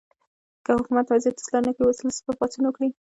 که حکومت وضعیت اصلاح نه کړي، ولس به پاڅون وکړي.